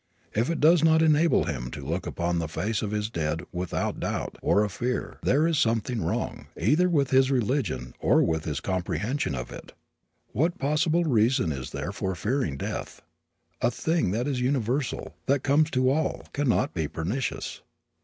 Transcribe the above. If it does not enable him to look upon the face of his dead without a doubt, or a fear, there is something wrong, either with his religion or with his comprehension of it. What possible reason is there for fearing death? A thing that is universal, that comes to all, can not be pernicious.